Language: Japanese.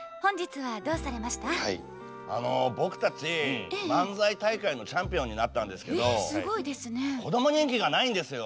あの僕たち漫才大会のチャンピオンになったんですけどこども人気がないんですよ。